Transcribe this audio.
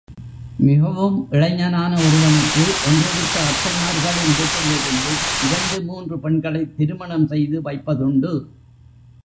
மிகவும் இளைஞனான ஒருவனுக்கு ஒன்றுவிட்ட அத்தைமார்களின் வீட்டிலிருந்து, இரண்டு மூன்று பெண்களைத் திருமணம் செய்து வைப்பதுண்டு.